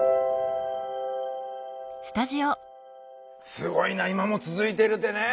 すごいな今も続いてるってね。